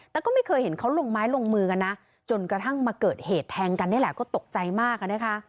แต่ก็ไม่เคยเห็นเขาลงไม้ลงมือกันนะจนกระทั่งมาเกิดเหตุแทงกันนี่แหละก็ตกใจมากอะนะคะ